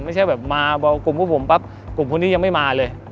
ไม่ใช่แบบมาพอกลุ่มพวกผมปั๊บกลุ่มคนนี้ยังไม่มาเลย